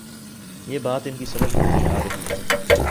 یہ بات ان کی سمجھ میں نہیں آ رہی۔